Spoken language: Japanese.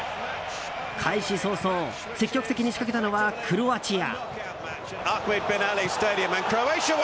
開始早々、積極的に仕掛けたのはクロアチア。